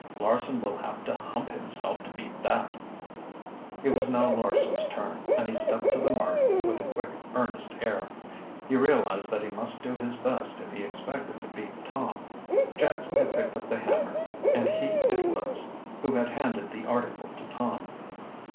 "Larson will have to hump himself to beat that!" It was now Larson's turn and he stepped to the mark with a quick, earnest air. He realized that he must do his best if he expected to beat Tom. Jackson had picked up the hammer and he it was who had handed the article to Tom.